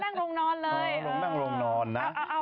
ไม่เกี่ยวเรากลัว